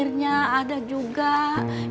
neneknya udah kembali ke rumah sakit